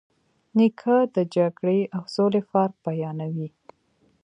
نیکه د جګړې او سولې فرق بیانوي.